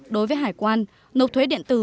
đối với hải quan nộp thuế điện tử